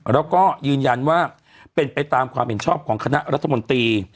แล้วก็ยืนยันว่าเป็นไปตามความเห็นชอบของคณะรัฐมนตรี